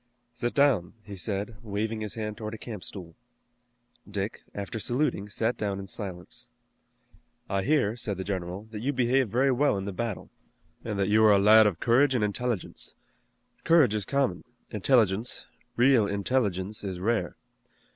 "Sit down," he said, waving his hand toward a camp stool. Dick, after saluting, sat down in silence. "I hear," said the general, "that you behaved very well in the battle, and that you are a lad of courage and intelligence. Courage is common, intelligence, real intelligence, is rare.